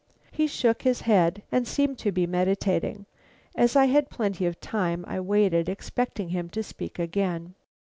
He shook his head and seemed to be meditating. As I had plenty of time I waited, expecting him to speak again.